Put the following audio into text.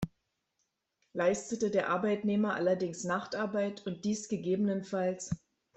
Leistet der Arbeitnehmer allerdings Nachtarbeit, und dies ggf.